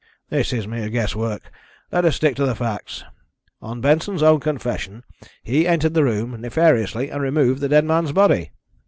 "This is mere guess work. Let us stick to facts. On Benson's own confession he entered the room nefariously and removed the dead man's body."